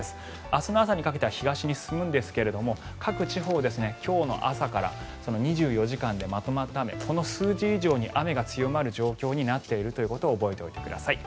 明日の朝にかけては東に進むんですけれども各地方、今日の朝から２４時間でまとまった雨、この数字以上に雨が強まる状況になっていることを覚えておいてください。